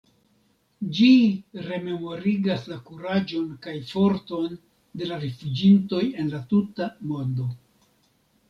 Ĝi rememorigas la kuraĝon kaj forton de la rifuĝintoj en la tuta mondo.